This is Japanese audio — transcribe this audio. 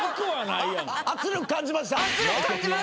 圧力感じました？